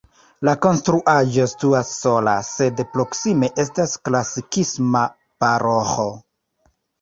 La konstruaĵo situas sola, sed proksime estas klasikisma paroĥo.